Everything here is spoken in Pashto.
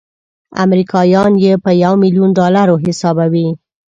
امریکایان یې په یو میلیون ډالرو حسابوي.